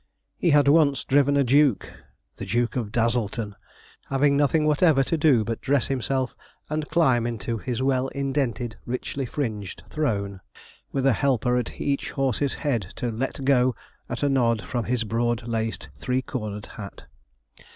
He had once driven a duke the Duke of Dazzleton having nothing whatever to do but dress himself and climb into his well indented richly fringed throne, with a helper at each horse's head to 'let go' at a nod from his broad laced three cornered hat.